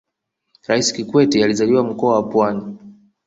raisi kikwete alizaliwa mkoa wa pwani